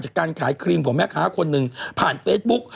การขายครีมของแม่ค้าคนหนึ่งผ่านเฟซบุ๊ก